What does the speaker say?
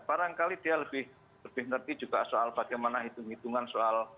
barangkali dia lebih ngerti juga soal bagaimana hitung hitungan soal